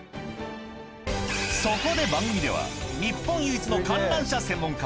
そこで番組では日本唯一の観覧車専門家